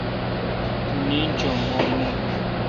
تو نیند چو مہ یون۔